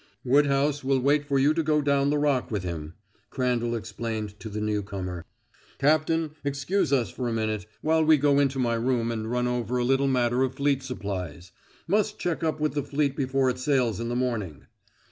"Woodhouse will wait for you to go down the Rock with him," Crandall explained to the newcomer. "Captain, excuse us for a minute, while we go into my room and run over a little matter of fleet supplies. Must check up with the fleet before it sails in the morning."